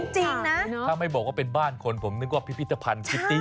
จริงนะถ้าไม่บอกว่าเป็นบ้านคนผมนึกว่าพิพิธภัณฑ์คิตตี้